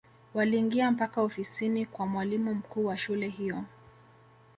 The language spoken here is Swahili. waliingia mpaka ofisini kwa mwalimu mkuu wa shule hiyo